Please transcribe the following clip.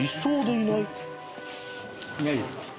いないですね